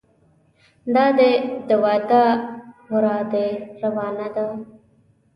دادی د واده ورا دې روانه ده.